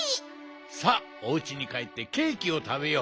さあおうちにかえってケーキをたべよう。